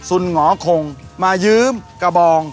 คุณหมอคงมายืมกระบอง